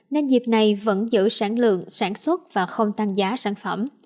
nên dịp này vẫn giữ sản lượng sản xuất và không tăng giá sản phẩm